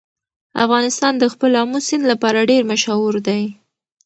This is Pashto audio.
افغانستان د خپل آمو سیند لپاره ډېر مشهور دی.